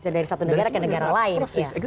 dari satu negara ke negara lain